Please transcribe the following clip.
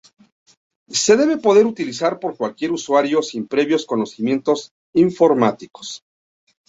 Se debe poder utilizar por cualquier usuario sin previos conocimientos informáticos.